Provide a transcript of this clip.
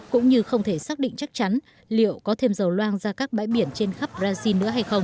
cũng như không thể xác định chắc chắn liệu có thêm dầu loang ra các bãi biển trên khắp brazil nữa hay không